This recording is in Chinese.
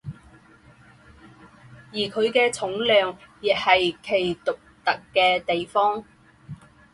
而它的重量也是其独特的地方。